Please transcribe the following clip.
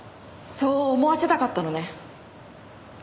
そう思わせたかったのね。